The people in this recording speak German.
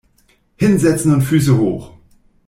Hinsetzen und Füße hoch!